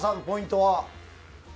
ポイントは。